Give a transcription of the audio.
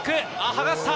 剥がした。